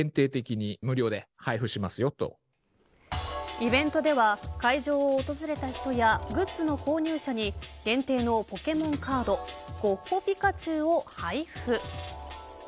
イベントでは会場を訪れた人やグッズの購入者に限定のポケモンカードゴッホピカチュウを配布。